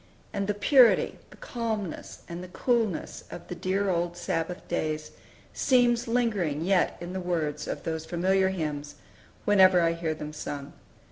And the purity, the calmness, and the coolness of the dear old Sabbath days seems lingering yet in the words of those familiar hymns, whenever I bear them sung.